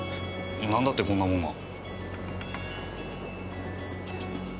なんだってこんなもんが？